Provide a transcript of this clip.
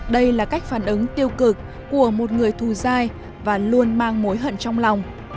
đây là cách phản ứng tiêu cực của một người thù dai và luôn mang mối hận trong lòng